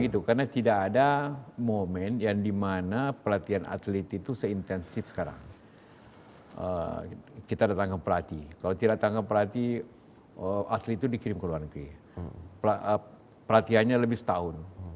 itu yang paling pokok itu